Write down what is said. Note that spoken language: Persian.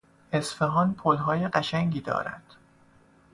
اصفهان پلهای قشنگی دارد.